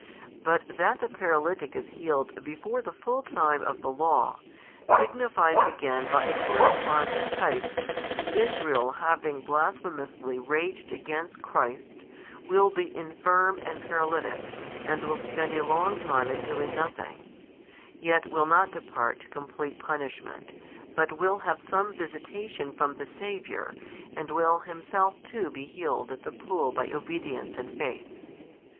But that the paralytic is healed before the full time of the law, signifies again by a corresponding type, that Israel having blasphemously raged against Christ, will be infirm and paralytic and will spend a long time in doing nothing; yet will not depart to complete punishment, but will have some visitation from the Saviour, and will himself too be healed at the pool by obedience and faith.